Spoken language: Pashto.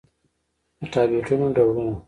د ټابليټنو ډولونه: